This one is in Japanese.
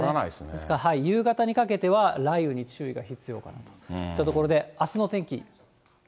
ですから夕方にかけては雷雨に注意が必要かなと。といったところであすの天気。